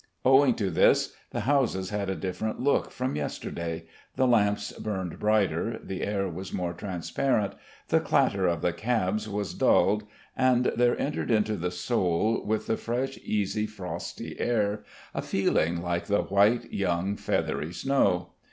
Owing to this the houses had a different look from yesterday, the lamps burned brighter, the air was more transparent, the clatter of the cabs was dulled and there entered into the soul with the fresh, easy, frosty air a feeling like the white, young, feathery snow.